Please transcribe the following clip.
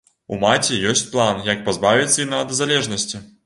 У маці ёсць план, як пазбавіць сына ад залежнасці.